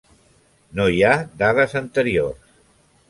No hi ha dades anteriors.